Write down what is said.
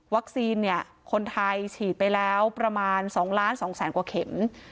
วัคซีนคนไทยฉีดไปแล้วประมาณ๒๒๐๐๐๐๐กว่าเข็ม